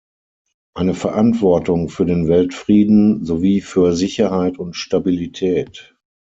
Eine Verantwortung für den Weltfrieden sowie für Sicherheit und Stabilität.